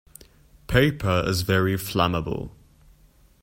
Paper is very flammable.